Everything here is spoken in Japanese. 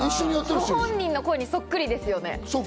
ご本人の声にそっくりですよね。